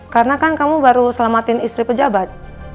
karena kan kamu baru selamatin istri pejabat